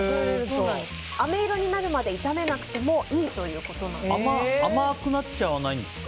あめ色になるまで炒めなくてもいいということなんです。